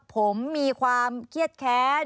ผมมีความเครียดแค้น